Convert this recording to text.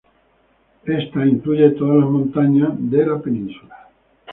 Ésta incluye todas las montañas de la península.